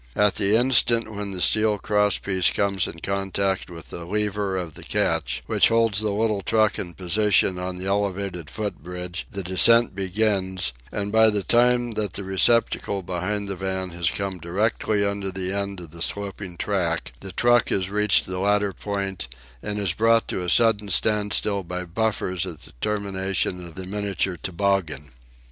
At the instant when the steel cross piece comes in contact with the lever of the catch, which holds the little truck in position on the elevated footbridge, the descent begins, and by the time that the receptacle behind the van has come directly under the end of the sloping track the truck has reached the latter point and is brought to a sudden standstill by buffers at the termination of the miniature "toboggan".